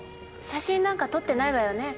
写真なんか撮ってないわよね？